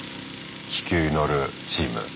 気球乗るチーム。